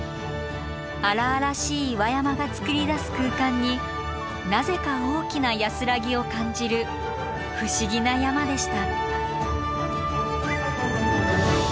荒々しい岩山がつくり出す空間になぜか大きな安らぎを感じる不思議な山でした。